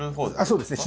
そうですね。